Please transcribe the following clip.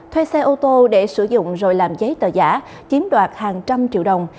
thuê xe ô tô để sử dụng rồi làm giấy tờ giả chiếm đoạt hàng trăm triệu đồng